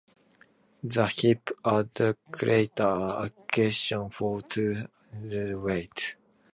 The hip abductors' action accounts for two thirds of that body weight.